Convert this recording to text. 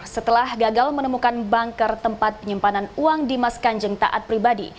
setelah gagal menemukan banker tempat penyimpanan uang dimas kanjeng taat pribadi